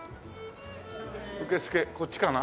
受付こっちかな？